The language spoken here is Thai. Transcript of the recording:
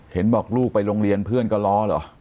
เห็นบอกลูกไปโรงเรียนเพื่อนก็ล้อเหรอ